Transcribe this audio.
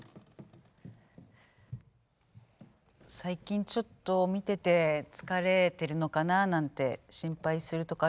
最近ちょっと見てて疲れてるのかななんて心配するとこあるんだけど。